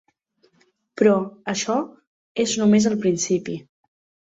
Però açò és només el principi.